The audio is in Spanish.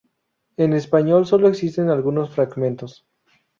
En español solo existen algunos fragmentos.